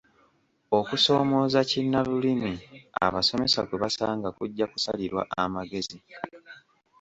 Okusoomooza kinnalulimi abasomesa kwe basanga kujja kusalirwa amagezi.